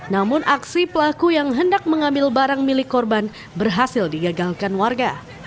namun aksi pelaku yang hendak mengambil barang milik korban berhasil digagalkan warga